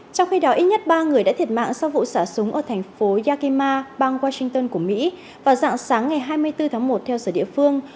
trong khi đó ít nhất ba người đã thiệt mạng sau vụ xả súng ở thành phố yakima bang washington của mỹ vào dạng sáng ngày hai mươi bốn tháng một theo giờ địa phương